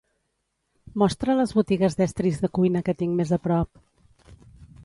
Mostra les botigues d'estris de cuina que tinc més a prop.